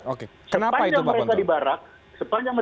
oke kenapa itu pak ponton